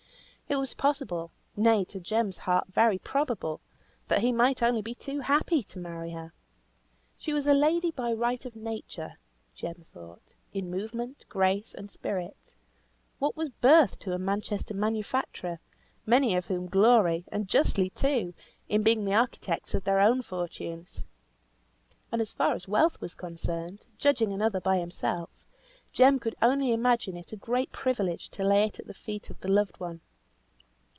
It was possible, nay, to Jem's heart, very probable, that he might only be too happy to marry her. She was a lady by right of nature, Jem thought; in movement, grace, and spirit. what was birth to a Manchester manufacturer, many of whom glory, and justly too, in being the architects of their own fortunes? And, as far as wealth was concerned, judging another by himself, Jem could only imagine it a great privilege to lay it at the feet of the loved one.